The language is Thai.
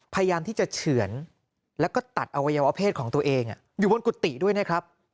พยายามที่จะเฉือนแล้วก็ตัดอวัยวะเพศของตัวเองอยู่บนกุฏิด้วยนะครับ